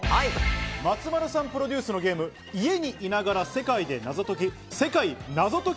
松丸さんプロデュースのゲーム『家にいながら世界でナゾトキ！